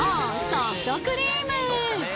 ソフトクリーム！